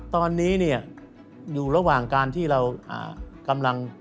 ตอนนี้เนี่ยอยู่ระหว่างการที่เรากำลัง